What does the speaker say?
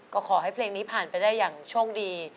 ก็ขอให้เพลงนี้ผ่านไปได้อย่างโชคดี